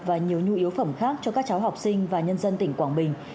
và nhiều nhu yếu phẩm khác cho các cháu học sinh và nhân dân tỉnh quảng bình